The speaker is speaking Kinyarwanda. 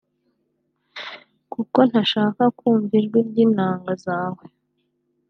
kuko ntashaka kumva ijwi ry’inanga zawe”